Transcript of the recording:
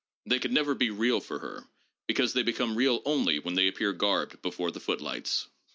They could never be real for her, because they become real only when they appear garbed before the foot lights.